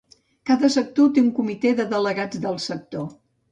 Cada sector té un comitè de delegats del sector.